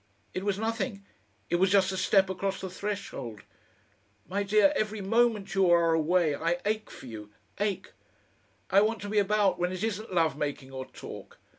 It was nothing it was just a step across the threshold. My dear, every moment you are away I ache for you ache! I want to be about when it isn't love making or talk.